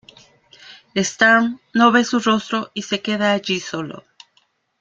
Strahm no ve su rostro y se queda allí solo.